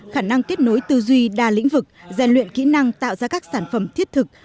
khả năng kết nối tư duy đa lĩnh vực gian luyện kỹ năng tạo ra các sản phẩm thiết thực